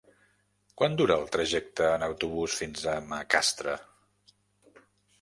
Quant dura el trajecte en autobús fins a Macastre?